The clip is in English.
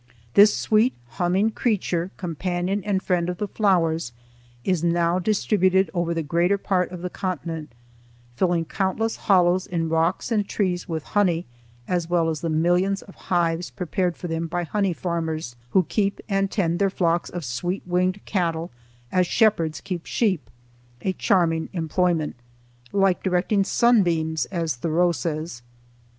This sweet humming creature, companion and friend of the flowers, is now distributed over the greater part of the continent, filling countless hollows in rocks and trees with honey as well as the millions of hives prepared for them by honey farmers, who keep and tend their flocks of sweet winged cattle, as shepherds keep sheep,—a charming employment, "like directing sunbeams," as Thoreau says.